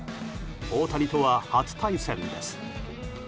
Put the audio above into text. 大谷とは初対戦です。